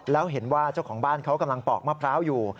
แล้วเห็นว่าเจ้าของบ้านเขากำลังปอกมะพร้าวอยู่